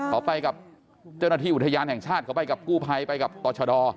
เขาไปกับเจ้าหน้าที่อุทยานแห่งชาติเขาไปกับกู้ภัยไปกับต่อชะดอ